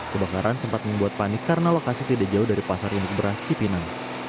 kebakaran sempat membuat panik karena lokasi tidak jauh dari pasar induk beras cipinang